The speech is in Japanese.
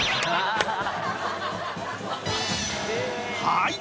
［はい！